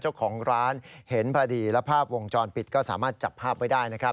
เจ้าของร้านเห็นพอดีและภาพวงจรปิดก็สามารถจับภาพไว้ได้นะครับ